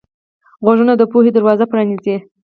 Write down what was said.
غوږونه د پوهې دروازه پرانیزي